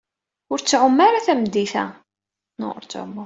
Ur ttɛumuɣ ara tameddit-a.